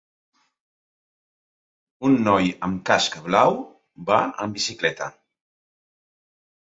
un noi amb casc blau va en bicicleta